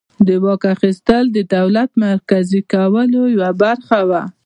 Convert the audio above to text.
د واک اخیستل د دولت مرکزي کولو یوه برخه وه.